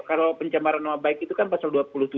kalau pencemaran nama baik itu kan pasal dua puluh tujuh